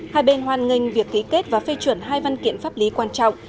hai bên hoan nghênh việc ký kết và phê chuẩn hai văn kiện pháp lý quan trọng